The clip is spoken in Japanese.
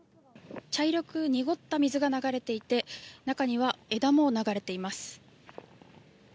茶色く濁った水が流れていて中には枝も流れています。